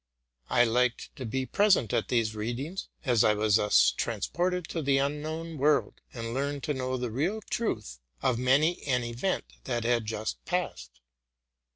I liked to be present at these readings ; as I was thus trans ported into an unknown world, and learned to know the real truth of many an event that had just passed.